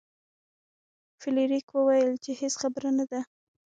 فلیریک وویل چې هیڅ خبره نه ده.